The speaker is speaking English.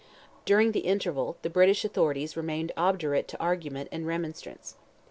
During the interval, the British authorities remained obdurate to argument and remonstrance.